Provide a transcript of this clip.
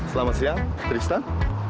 selamat siang tristan